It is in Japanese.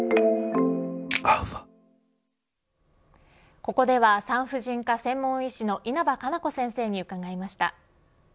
ここでは産婦人科専門医師の稲葉可奈子先生に伺いました。